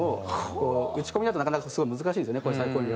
打ち込みだとなかなかすごい難しいんですよね。